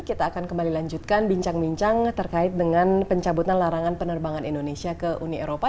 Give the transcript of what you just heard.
kita akan kembali lanjutkan bincang bincang terkait dengan pencabutan larangan penerbangan indonesia ke uni eropa